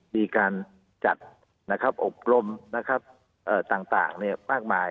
มีการจัดนะครับอบรมนะครับต่างเนี่ยมากมาย